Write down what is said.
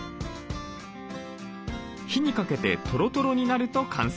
火にかけてトロトロになると完成。